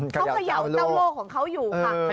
เขาเขย่าเจ้าโลกของเขาอยู่ค่ะ